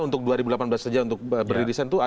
untuk dua ribu delapan belas saja untuk beririsan itu